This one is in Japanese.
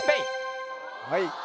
はい！